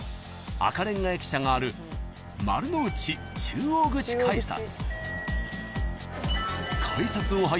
［赤レンガ駅舎がある丸の内中央口改札］